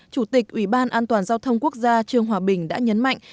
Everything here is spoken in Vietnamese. chủ tịch ủy ban an toàn giao thông quốc gia trương hòa bình đã nhấn mạnh